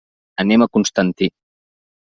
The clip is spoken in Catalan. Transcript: Anem a Constantí.